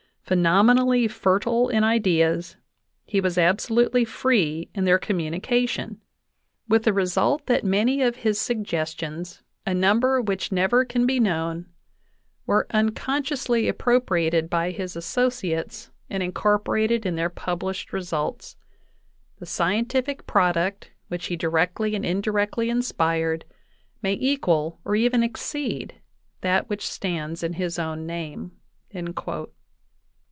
Phenomenally fertile in ideas, he was absolutely free in their communication, with the result 82 JOHN WESI.KY I'OWKLL DAVIS that many of his suggestions a number which never can be known were unconsciously appropriated by his associates and incorporated in their published results. ... The scien tific product which he directly and indirectly inspired may equal, or even exceed, that which stands in his own name."